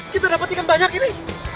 kita dapat ikan banyak ini